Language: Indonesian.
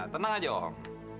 tenang aja om